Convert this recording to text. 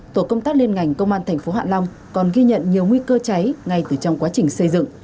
tổ công tác liên ngành công an tp hạ long còn ghi nhận nhiều nguy cơ cháy ngay từ trong quá trình xây dựng